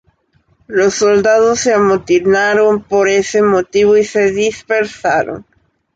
Los soldados se amotinaron por ese motivo y se dispersaron.